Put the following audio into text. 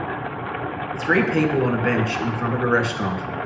Three people on a bench in front of a restaurant.